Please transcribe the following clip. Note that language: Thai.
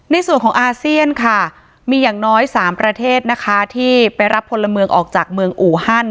ในส่วนของอาเซียนค่ะมีอย่างน้อย๓ประเทศนะคะที่ไปรับพลเมืองออกจากเมืองอูฮัน